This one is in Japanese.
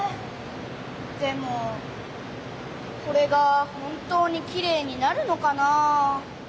でもこれが本当にきれいになるのかなあ？